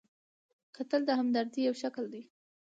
کتل د همدردۍ یو شکل دی